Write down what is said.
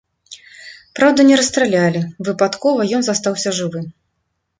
Праўда, не расстралялі, выпадкова ён застаўся жывы.